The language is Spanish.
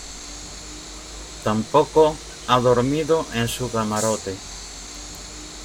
tampoco ha dormido en su camarote.